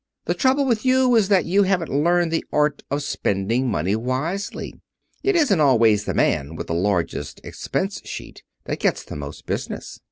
The trouble with you is that you haven't learned the art of spending money wisely. It isn't always the man with the largest expense sheet that gets the most business.